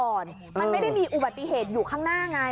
มันไม่ได้มีอุบัติเหตุอยู่ข้างหน้าไง